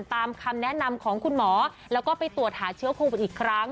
ตามคำแนะนำของคุณหมอแล้วก็ไปตรวจหาเชื้อโควิดอีกครั้ง